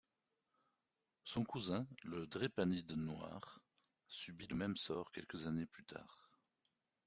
Son cousin, le Drépanide noir, subit le même sort quelques années plus tard.